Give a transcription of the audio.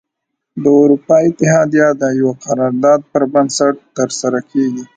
د اروپا اتحادیه د یوه قرار داد پر بنسټ تره سره کیږي.